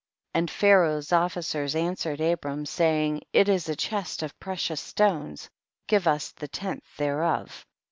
And Pharaoh's officers answered Abram, saying, it is a chest of precious stones, give us the tenth thereof.